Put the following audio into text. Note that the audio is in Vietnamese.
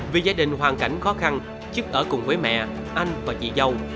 vì gia đình hoàn cảnh khó khăn chức ở cùng với mẹ anh và chị dâu